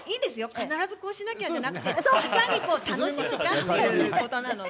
必ずこうしなきゃ、じゃなくていかに楽しむかということなので。